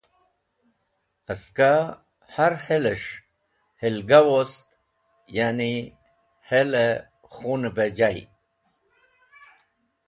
Skẽ har heles̃h helgah wost, ya’ni hel-e khun’v-e jay.